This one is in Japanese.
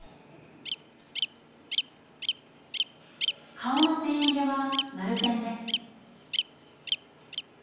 顔のペン入れは丸ペンで。